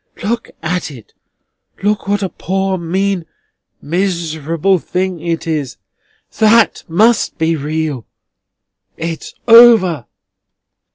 "Look at it! Look what a poor, mean, miserable thing it is! That must be real. It's over."